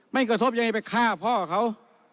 ไม่กระทบยังไงไปฆ่าพ่อเขา